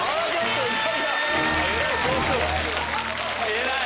偉い！